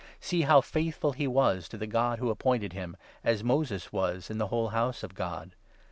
See how faithful he was 2 to the God who appointed him, as Moses was in the whole House of God.